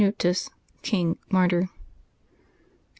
CANUTUS, King, Martyr. [t.